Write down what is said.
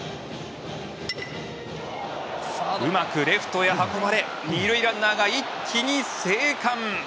うまくレフトへ運ばれ２塁ランナーが一気に生還。